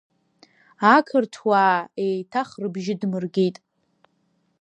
Ақыҭауаа еиҭах рыбжьы дмыргеит.